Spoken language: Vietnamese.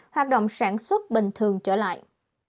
hoạt động sản xuất bình thường trở lại